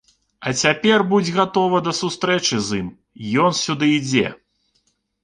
А цяпер будзь гатова да сустрэчы з ім, ён сюды ідзе.